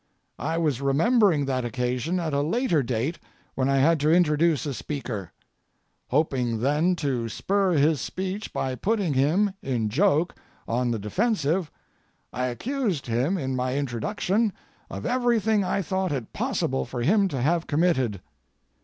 I was remembering that occasion at a later date when I had to introduce a speaker. Hoping, then, to spur his speech by putting him, in joke, on the defensive, I accused him in my introduction of everything I thought it impossible for him to have committed.